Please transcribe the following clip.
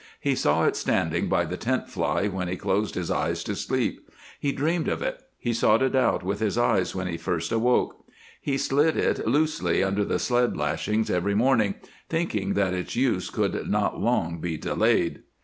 He saw it standing by the tent fly when he closed his eyes to sleep; he dreamed of it; he sought it out with his eyes when he first awoke. He slid it loosely under the sled lashings every morning, thinking that its use could not long be delayed.